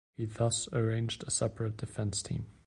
He thus arranged a separate defence team.